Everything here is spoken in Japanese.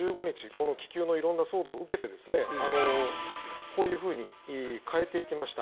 この気球の色んな騒動を受けてこういうふうに変えていきました。